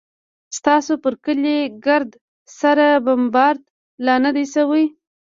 ستاسو پر کلي ګرد سره بمبارد لا نه دى سوى.